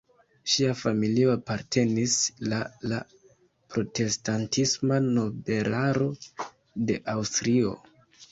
Ŝia familio apartenis la la protestantisma nobelaro de Aŭstrio.